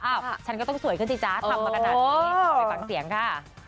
ฉันก็ต้องสวยขึ้นสิจ๊ะทำมาขนาดนี้เอาไปฟังเสียงค่ะ